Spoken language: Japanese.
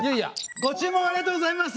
ご注文ありがとうございます。